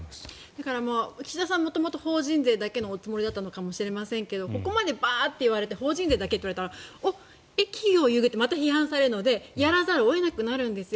岸田さん元々法人税だけのおつもりだったのかもしれませんがここまでバーッといわれて法人税だけといわれたら企業優遇といわれて批判されるのでやらざるを得なくなるんですよ。